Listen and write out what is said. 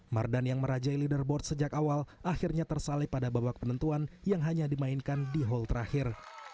mar dan yang merajai leaderboard sejak awal akhirnya tersalip pada babak penentuan yang hanya dimainkan di hole terakhir